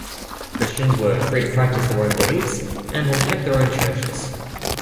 Christians were free to practice their own beliefs, and had kept their own churches.